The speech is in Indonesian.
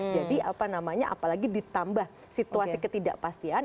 jadi apa namanya apalagi ditambah situasi ketidakpastian